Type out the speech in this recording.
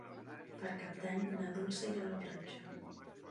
Per Cap d'Any na Dolça irà a la platja.